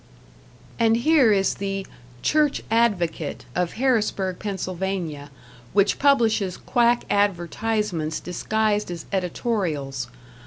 And here is the "Church Advocate", of Harrisburg, Pa., which publishes quack advertisements disguised as editorials.